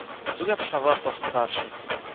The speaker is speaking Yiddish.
זאג עפעס א ווארט אויפן פרשה